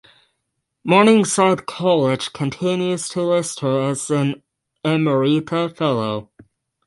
Morningside College continues to list her as an emerita fellow.